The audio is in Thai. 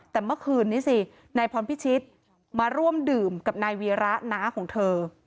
แต่เมื่อคืนนี้สินายพรพิชิตมาร่วมดื่มกับนายวีระน้าของเธอ